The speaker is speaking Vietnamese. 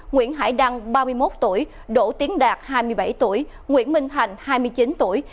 nguyễn hải đăng ba mươi một tuổi đỗ tiến đạt hai mươi bảy tuổi nguyễn minh thành hai mươi chín tuổi